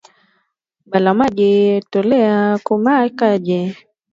Ba mama baji toleye ku ma kaji